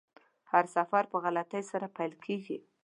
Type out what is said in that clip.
هر سفر په غلطۍ سره پیل کیږي.